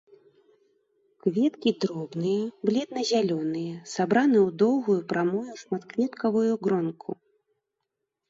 Кветкі дробныя, бледна-зялёныя, сабраны ў доўгую прамую шматкветкавую гронку.